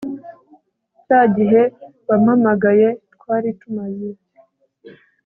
cyagihe wampamagaye twari tumaze